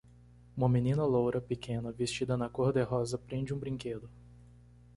Uma menina loura pequena vestida na cor-de-rosa prende um brinquedo.